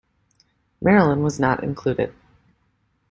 Marilyn was not included.